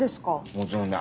もちろんだ。